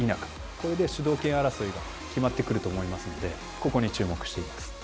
これで主導権争いが決まってくると思いますんでここに注目しています。